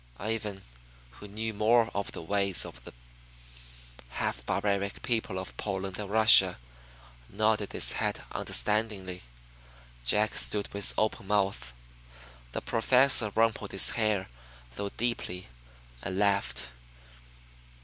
Ivan, who knew more of the ways of the half barbaric people of Poland and Russia, nodded his head understandingly. Jack stood with open mouth. The Professor rumpled his hair, though deeply, and laughed.